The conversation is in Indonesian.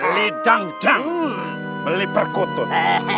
lidang dang beli perkutut